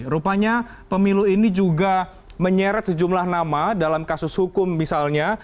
rupanya pemilu ini juga menyeret sejumlah nama dalam kasus hukum misalnya